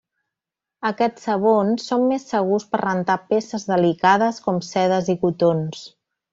Aquests sabons són més segurs per rentar peces delicades com, sedes i cotons.